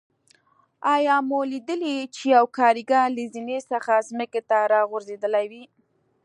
آیا مو لیدلي چې یو کاریګر له زینې څخه ځمکې ته راغورځېدلی وي.